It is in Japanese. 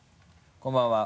こんばんは。